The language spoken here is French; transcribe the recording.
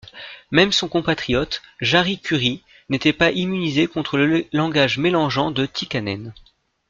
Même son compatriote Jari Kurri n'était pas immunisé contre le langage mélangeant de Tikkanen.